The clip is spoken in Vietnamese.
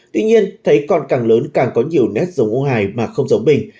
tuy nhiên thấy con càng lớn càng có nhiều nét giống ông hải mà không giống mình